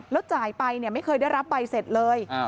แล้วจ่ายไปไม่เคยได้รับใบเสร็จเลย